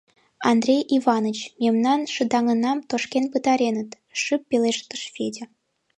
— Андрей Иваныч, мемнан шыдаҥнам тошкен пытареныт, — шып пелештыш Федя.